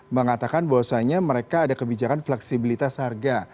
mengatakan bahwasanya mereka ada kebijakan fleksibilitas harga